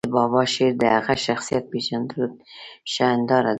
د بابا شعر د هغه شخصیت پېژندلو ښه هنداره ده.